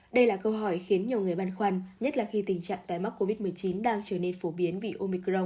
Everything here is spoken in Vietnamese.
đây là câu hỏi khiến nhiều người băn khoăn nhất là khi tình trạng tài mắc covid một mươi chín đang trở nên phổ biến vì omicron